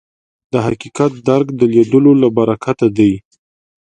د حقیقت درک د لیدلو له برکته دی